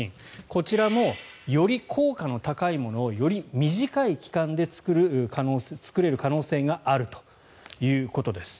こちらも、より効果の高いものをより短い期間で作れる可能性があるということです。